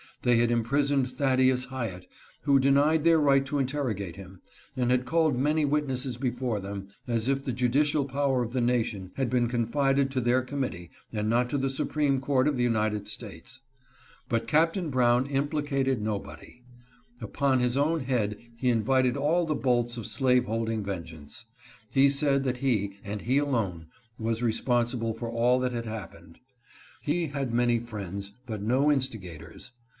They had imprisoned Thaddeus Hyatt, who denied their right to in terrogate him, and had called many witnesses before them, as if the judicial power of the nation had been con 396 PREPARING FOR ELECTION. fided to their committee and not to the Supreme Court of the United States. But Captain Brown implicated no body. Upon his own head he invited all the bolts of slaveholding vengeance. He said that he, and he alone, was responsible for all that had happened. He had many friends, but no instigators.